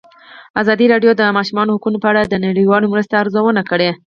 ازادي راډیو د د ماشومانو حقونه په اړه د نړیوالو مرستو ارزونه کړې.